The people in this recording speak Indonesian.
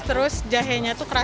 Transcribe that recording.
terus jahenya tuh kerasa